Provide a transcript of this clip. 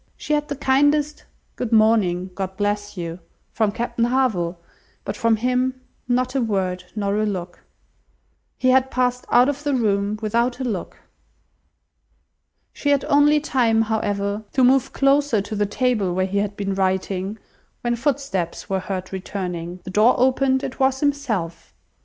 She had the kindest "Good morning, God bless you!" from Captain Harville, but from him not a word, nor a look! He had passed out of the room without a look! She had only time, however, to move closer to the table where he had been writing, when footsteps were heard returning; the door opened, it was himself.